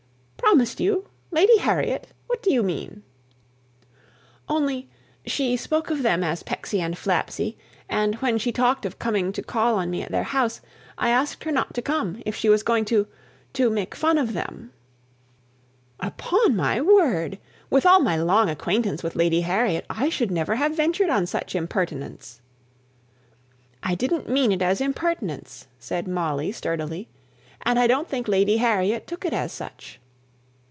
"Promised you! Lady Harriet? What do you mean?" "Only she spoke of them as Pecksy and Flapsy and when she talked of coming to call on me at their house, I asked her not to come if she was going to to make fun of them." "Upon my word! with all my long acquaintance with Lady Harriet, I should never have ventured on such impertinence." "I didn't mean it as impertinence," said Molly sturdily. "And I don't think Lady Harriet took it as such."